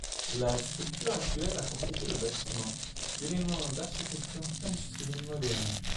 La structure actuelle a complété le bâtiment d'éléments d'architecture industrielle moderne.